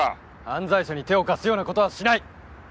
犯罪者に手を貸すような事はしない！